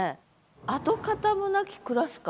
「跡形も無きクラス会」？